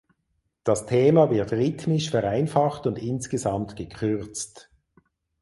Das Thema wird rhythmisch vereinfacht und insgesamt gekürzt.